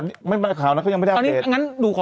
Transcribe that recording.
ทำไมฉันว่าสติกล่ะคุณลูก